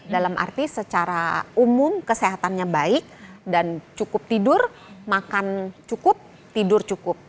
dalam arti secara umum kesehatannya baik dan cukup tidur makan cukup tidur cukup